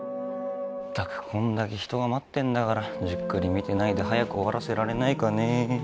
まったくこんだけ人が待ってんだからじっくり診てないで早く終わらせられないかねえ。